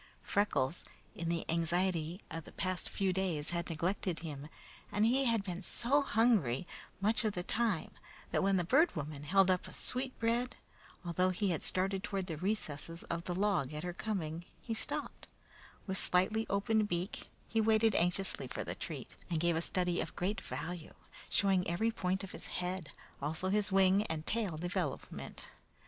Freckles, in the anxiety of the past few days, had neglected him, and he had been so hungry, much of the time, that when the Bird Woman held up a sweet bread, although he had started toward the recesses of the log at her coming, he stopped; with slightly opened beak, he waited anxiously for the treat, and gave a study of great value, showing every point of his head, also his wing and tail development.